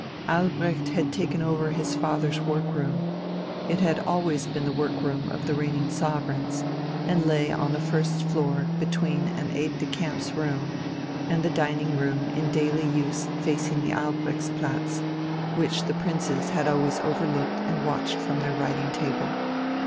Albrecht had taken over his father's work room it had always been the work room of the reigning sovereigns, and lay on the first floor between an aide de camp's room and the dining room in daily use facing the Albrechtsplatz, which the princes had always overlooked and watched from their writing table.